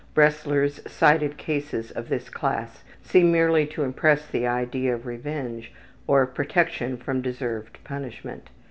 Bresler's cited cases of this class seem merely to impress the idea of revenge, or of protection from deserved punishment.